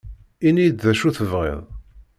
Ini-yi-d d acu tebɣiḍ